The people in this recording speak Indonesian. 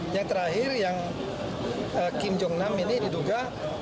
yang terakhir yang kim jong nam ini diduga